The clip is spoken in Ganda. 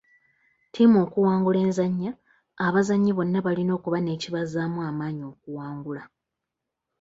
Ttiimu okuwangula enzannya, abazannyi bonna balina okuba n'ekibazzaamu amaanyi okuwangula.